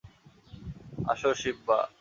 আসো, সিম্বা!